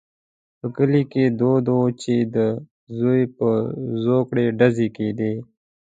په کلي کې دود وو چې د زوی پر زوکړه ډزې کېدې.